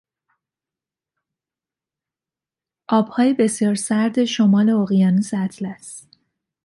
آبهای بسیار سرد شمال اقیانوس اطلس